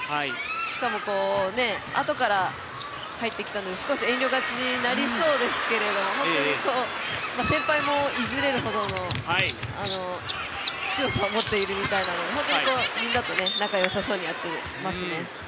しかも、あとから入ってきたので少し遠慮がちになりそうですけども本当にとても強さを持っているみたいなのでみんなと仲よさそうにやってますよね。